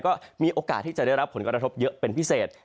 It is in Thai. ก็มีโอกาสที่จะได้รับผลกระทบเยอะเป็นพิเศษ